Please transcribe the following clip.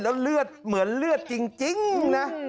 แล้วเหมือนเลือดจริงนะ